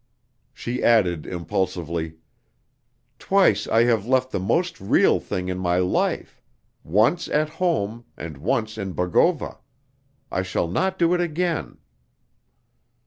She added impulsively: "Twice I have left the most real thing in my life once at home and once in Bogova. I shall not do it again."